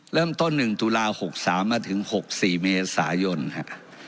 เริ่มต้น๑ตุลา๖๓มาถึง๖๔เมษายนฮะ